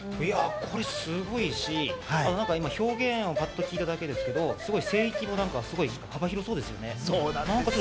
これすごいし、表現をパッと聞いただけですけど、声域も幅広そうですね。